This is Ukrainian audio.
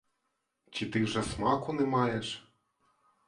Чи ти вже смаку не маєш?